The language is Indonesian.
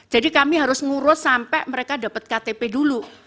jadi kami harus ngurus sampai mereka dapat ktp dulu